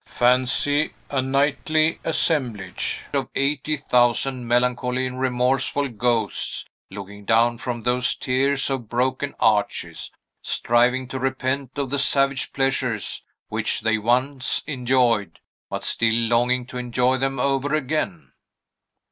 "Fancy a nightly assemblage of eighty thousand melancholy and remorseful ghosts, looking down from those tiers of broken arches, striving to repent of the savage pleasures which they once enjoyed, but still longing to enjoy them over again."